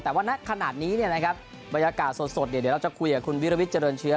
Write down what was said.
แต่ว่าในขณะนี้เนี่ยนะครับบรรยากาศสดเดี๋ยวเราจะคุยกับคุณวิรวิทย์เจริญเชื้อ